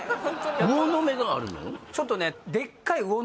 魚の目があるの？